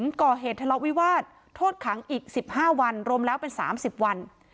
ก่อเหตุทะเลาะวิวาสโทษขังอีก๑๕วันรวมแล้วเป็น๓๐วัน